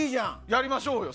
やりましょうよ